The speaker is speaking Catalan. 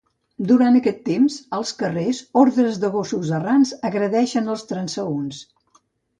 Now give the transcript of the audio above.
Durant aquest temps, als carrers, hordes de gossos errants agredeixen els transeünts.